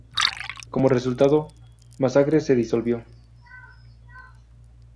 Como resultado, Massacre se disolvió.